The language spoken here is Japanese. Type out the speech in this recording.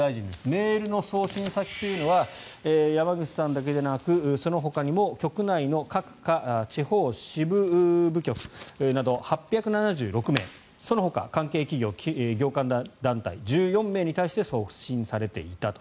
メールの送信先というのは山口さんだけでなくそのほかにも局内の各課、地方支分部局など８７６名そのほか関係企業、業界団体１４名に対して送信されていたと。